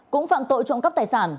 cũng phạm tội trộm cấp tài sản